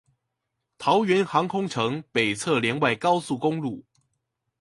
桃園航空城北側聯外高速公路